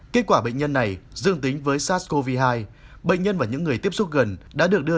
kết quả bệnh nhân này dương tính với sars cov hai bệnh nhân và những người tiếp xúc gần đã được đưa